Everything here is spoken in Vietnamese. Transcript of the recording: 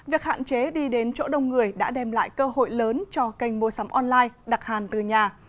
việc hạn chế đi đến chỗ đông người đã đem lại cơ hội lớn cho kênh mua sắm online đặt hàng từ nhà